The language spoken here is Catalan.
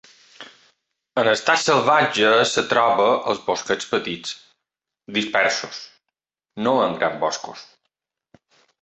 En estat salvatge es troba als bosquets petits, dispersos, no en grans boscos.